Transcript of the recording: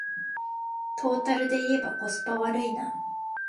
トータルでいえばコスパ悪いな